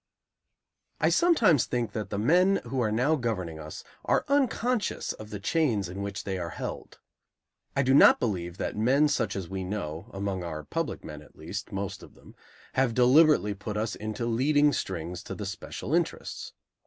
I sometimes think that the men who are now governing us are unconscious of the chains in which they are held. I do not believe that men such as we know, among our public men at least most of them have deliberately put us into leading strings to the special interests.